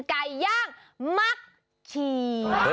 ไก่ย่างมักฉี่